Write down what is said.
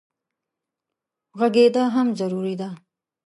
غږېدا هم ضروري ده.